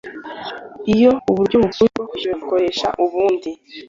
iyo uburyo bupfuye bwo kwishyura ukoresha ubundi